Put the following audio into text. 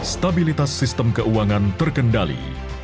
stabilitas sistem keuangan terkendali